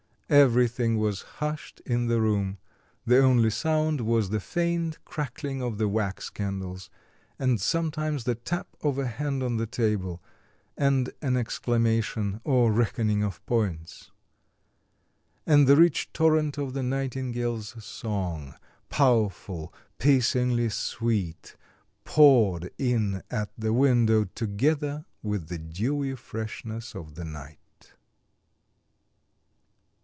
Everything was hushed in the room; the only sound was the faint crackling of the wax candles, and sometimes the tap of a hand on the table, and an exclamation or reckoning of points; and the rich torrent of the nightingale's song, powerful piercingly sweet, poured in at the window, together with the dewy freshness of the night.